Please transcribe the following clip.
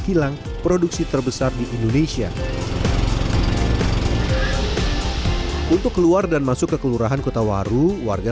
kilang produksi terbesar di indonesia untuk keluar dan masuk ke kelurahan kota waru warga